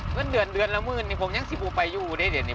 เงินเดือนเดือนละหมื่นนี่ผมยังซิบูไปอยู่นี่เดี๋ยวนี้